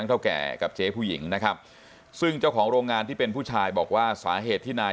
นะครับซึ่งเจ้าของโรงงานที่เป็นผู้ชายบอกว่าสาเหตุที่นาย